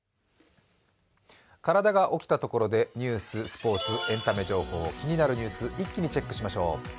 体が起きたところでニュース、スポーツ、エンタメ情報、気になるニュース、一気にチェックをしましょう。